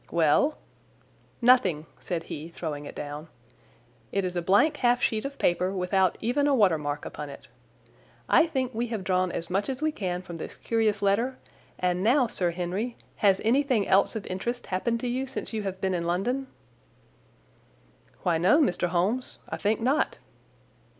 "Well?" "Nothing," said he, throwing it down. "It is a blank half sheet of paper, without even a water mark upon it. I think we have drawn as much as we can from this curious letter; and now, Sir Henry, has anything else of interest happened to you since you have been in London?" "Why, no, Mr. Holmes. I think not."